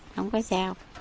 không có sao